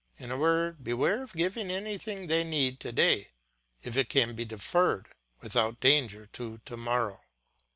In a word, beware of giving anything they need to day if it can be deferred without danger to to morrow.